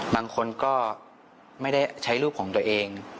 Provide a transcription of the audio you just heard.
บางคนก็ไม่ได้ใช้รูปของตัวเอง